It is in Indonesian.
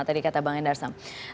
tadi kata bang yendarsam